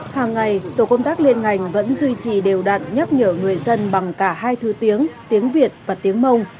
hàng ngày tổ công tác liên ngành vẫn duy trì đều đặn nhắc nhở người dân bằng cả hai thứ tiếng việt và tiếng mông